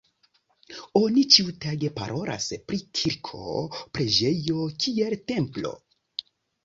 Oni ĉiutage parolas pri kirko, preĝejo kiel templo.